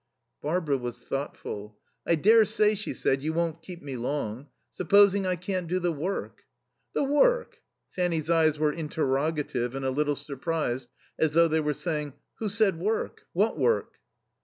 Barbara was thoughtful. "I daresay," she said, "you won't keep me long. Supposing I can't do the work?" "The work?" Fanny's eyes were interrogative and a little surprised, as though they were saying, "Who said work? What work?"